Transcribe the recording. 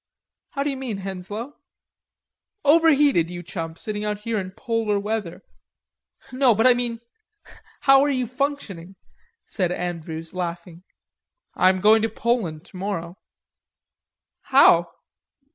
"How do you mean, Henslowe?" "Overheated, you chump, sitting out here in polar weather." "No, but I mean.... How are you functioning?" said Andrews laughing. "I'm going to Poland tomorrow." "How?"